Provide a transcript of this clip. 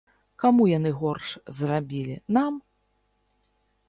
Каму яны горш зрабілі, нам?